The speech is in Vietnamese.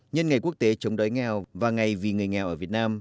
nhân ngày quốc tế chống đói nghèo và ngày vì người nghèo ở việt nam